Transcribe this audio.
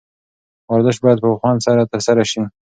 ورزش باید په خوند سره ترسره شي.